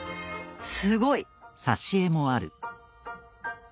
すごい！